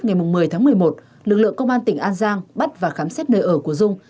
ngày một mươi tháng một mươi một lực lượng công an tỉnh an giang bắt và khám xét nơi ở của dung